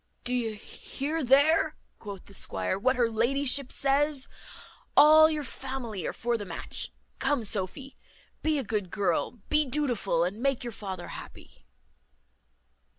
"Do you hear there," quoth the squire, "what her ladyship says? All your family are for the match. Come, Sophy, be a good girl, and be dutiful, and make your father happy."